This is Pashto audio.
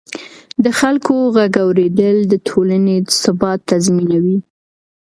د خلکو غږ اورېدل د ټولنې ثبات تضمینوي